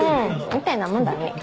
みたいなもんだね。